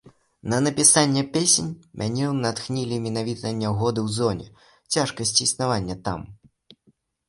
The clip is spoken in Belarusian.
На напісанне песень мяне натхнілі менавіта нягоды ў зоне, цяжкасці існавання там.